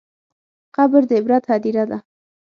قبر د عبرت هدیره ده.